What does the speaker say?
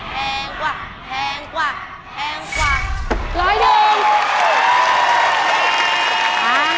แพงกว่าแพงกว่าแพงกว่า